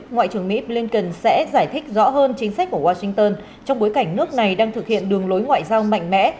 ngoại trưởng mỹ blinken sẽ giải thích rõ hơn chính sách của washington trong bối cảnh nước này đang thực hiện đường lối ngoại giao mạnh mẽ